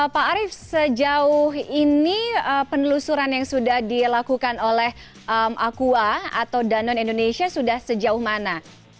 pak arief sejauh ini penelusuran yang sudah dilakukan oleh aqua atau danone indonesia sudah sejauh mana